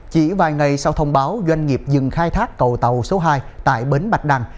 chỉ vài ngày sau thông báo doanh nghiệp dừng khai thác cầu tàu số hai tại bến bạch đăng